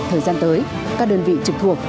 thời gian tới các đơn vị trực thuộc